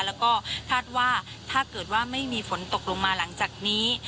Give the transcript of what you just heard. แล้วก็คาดว่าถ้าเกิดว่าไม่มีฝนตกลงมาหลังจากนี้